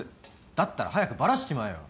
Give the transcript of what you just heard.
だったら早くバラしちまえよ。